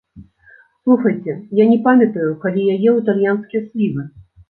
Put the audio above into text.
Слухайце, я не памятаю, калі я еў італьянскія слівы!